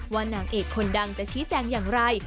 นางเอกคนดังจะชี้แจงอย่างไร